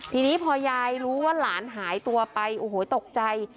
ทีนี้พอยายรู้ว่าหลานหายตัวไปโอ้โหตกใจ